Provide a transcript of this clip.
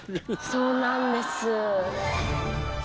そうなんです。